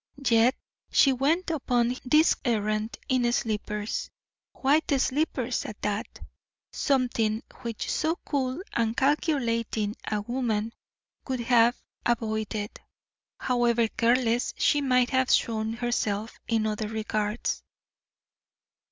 Yet she went upon this errand in slippers, white slippers at that, something which so cool and calculating a woman would have avoided, however careless she might have shown herself in other regards.